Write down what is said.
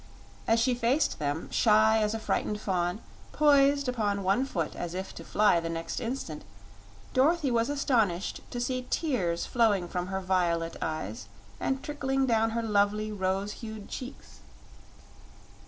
As she faced them, shy as a frightened fawn, poised upon one foot as if to fly the next instant, Dorothy was astonished to see tears flowing from her violet eyes and trickling down her lovely rose hued cheeks.